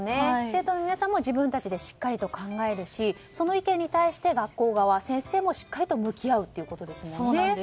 生徒の皆さんも自分たちでしっかりと考えるしその意見に対して学校側、先生もしっかりと向き合うということですよね。